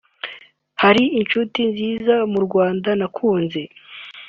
hari inshuti nziza mu Rwanda nakunze